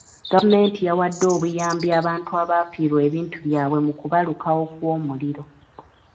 Gavumenti yawadde obuyambi abantu abaafiirwa ebintu byabwe mu kubalukawo kw'omuliro.